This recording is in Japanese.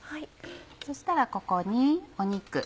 そしたらここに肉。